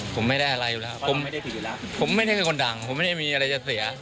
ผมไม่ได้อะไรอยู่แล้วผมไม่ได้คนดังผมไม่ได้มีอะไรจะเสีย